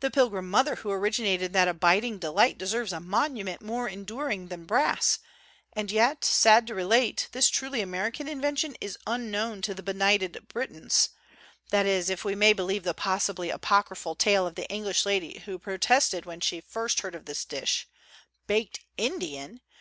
The Pilgrim Mother who originated that abiding de light deserves a monument more enduring than brass; and yet, sad to relate, this truly Ameri can invention is unknown to the benighted Brit ons that is, if we may believe the possibly apocryphal tale of the English lady who pro tested when she first heard of this dish, "Baked Indian